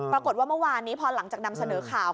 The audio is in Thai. ปรากฏว่าเมื่อวานนี้พอหลังจากนำเสนอข่าว